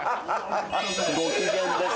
ご機嫌です。